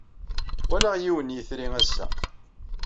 Walaɣ yiwen n yitri ass-a.